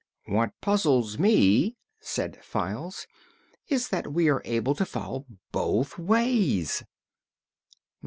"What puzzles me," said Files, "is that we are able to fall both ways."